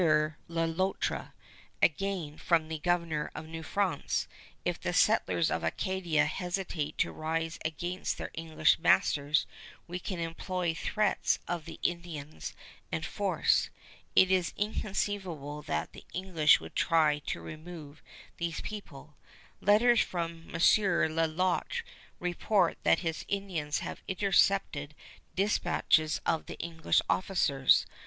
Le Loutre." Again, from the Governor of New France: "If the settlers of Acadia hesitate to rise against their English masters, we can employ threats of the Indians and force. It is inconceivable that the English would try to remove these people. Letters from M. Le Loutre report that his Indians have intercepted dispatches of the English officers.